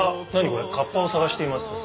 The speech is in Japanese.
これ「カッパを探しています」。